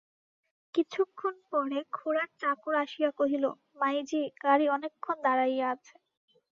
কিছুক্ষণ পরে খুড়ার চাকর আসিয়া কহিল, মায়ীজি, গাড়ি অনেক ক্ষণ দাঁড়াইয়া আছে।